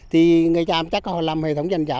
thì người tràm chắc họ làm hệ thống dành dã